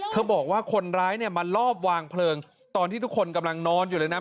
บอกว่าคนร้ายเนี่ยมาลอบวางเพลิงตอนที่ทุกคนกำลังนอนอยู่เลยนะ